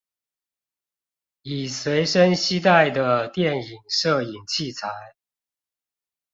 以隨身攜帶的電影攝影器材